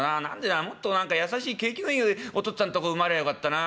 もっと何か優しい景気のいいお父っつぁんとこ生まれりゃあよかったな。